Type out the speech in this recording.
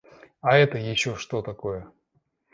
А это еще что такое?